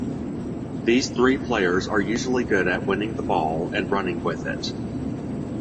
These three players are usually good at winning the ball and running with it.